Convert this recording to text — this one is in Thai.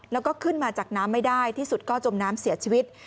แล้วก็ขึ้นมาจากน้ำไม่ได้ที่สุดก็จมน้ำเสียชีวิต